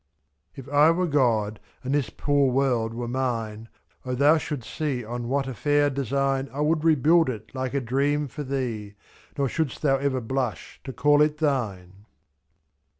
If I were God, and this poor world were mine, O thou shouldst see on what a fair design nf'I would rebuild it like a dream for thee. Nor shouldst thou ever blush to call it thine.